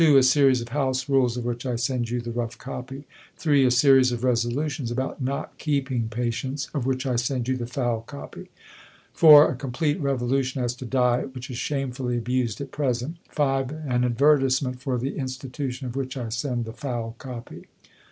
A series of House Rules, of which I send you the rough copy. 3. A series of resolutions about not keeping patients, of which I send you the foul copy. 4. A complete revolution as to Diet, which is shamefully abused at present. 5. An advertisement for the Institution, of which I send the foul copy.